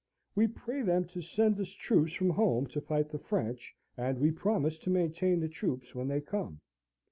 We pray them to send us troops from home to fight the French; and we promise to maintain the troops when they come.